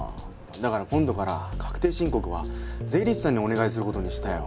だから今度から確定申告は税理士さんにお願いすることにしたよ。